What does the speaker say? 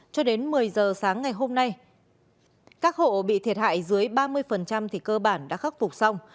cho đến một mươi giờ sáng ngày hôm nay các hộ bị thiệt hại dưới ba mươi thì cơ bản đã khắc phục xong